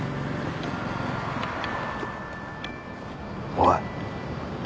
おい。